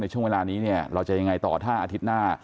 ช่วงเวลานี้เนี่ยเราจะยังไงต่อถ้าอาทิตย์หน้า